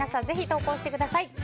ぜひ投稿してください。